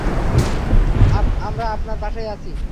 আমরা আপনার পাশেই আছি।